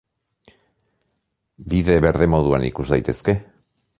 Bide berde moduan ikus daitezke.